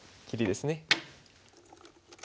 切りですね。